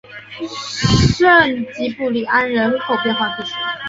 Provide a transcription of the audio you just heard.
圣吉布里安人口变化图示